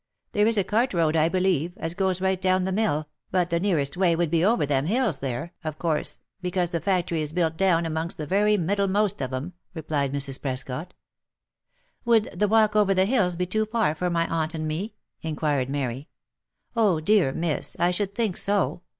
There is a cart road, I believe, as goes right down to the mill, but the nearest way would be over them hills there, of course, because the factory is built down amongst the very middlemost of 'em," replied Mrs. Prescot. " Would the walk over the hills be too far for my aunt and me?" inquired Mary. " Oh dear yes, miss ! I should think so